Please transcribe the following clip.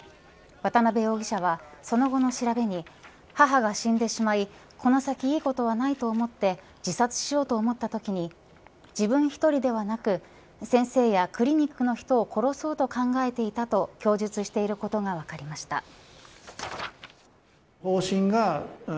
渡辺容疑者はその後の調べに母が死んでしまいこの先、いいことはないと思って自殺しようと思ったときに自分１人ではなく、先生やクリニックの人を殺そうと考えていたと供述していることが分かりました。